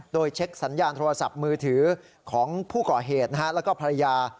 โดยเช็คสัญญาณโทรศัพท์มือถือของผู้ก่อเหตุแล้วก็ภรรยา